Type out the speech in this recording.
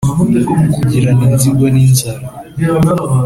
Kugirana inzigo n'inzara